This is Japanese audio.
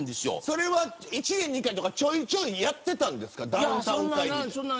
これは１年に１回とかちょいちょいやってたんですか。